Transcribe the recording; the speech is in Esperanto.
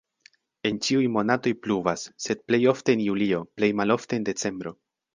En ĉiuj monatoj pluvas, sed plej ofte en julio, plej malofte en decembro.